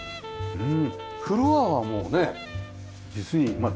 うん。